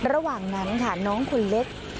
ระหว่างนั้นค่ะน้องคนเล็ก